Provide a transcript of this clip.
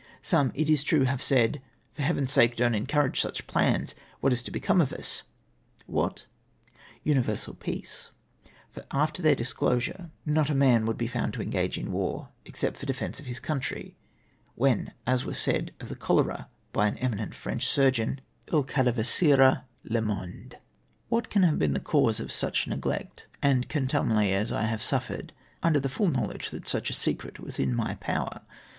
Some, it is true, have said, "For heaven's sake, don't encourage such plans, — what is to become of us ?" What ? Universal peace : for after theii' disclosure not a man would be found to 240 orrosiTiox to my tlans inexplicable. engage in war except for defence of liis country, when, as was said of tlie cholera by an eminent French sumeon, "// cadavreisera le riwnde.'" What can have been the cause of such neglect and contumely as I have suffered, under tlie full knowledge that such a secret was in my power